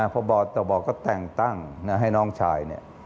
พบตบก็แต่งตั้งให้น้องชายเนี่ย